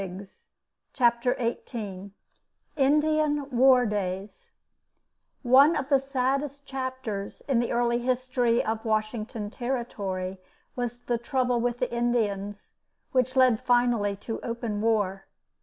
] CHAPTER EIGHTEEN INDIAN WAR DAYS ONE of the saddest chapters in the early history of Washington Territory was the trouble with the Indians, which led finally to open war.